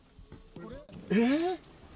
えっ？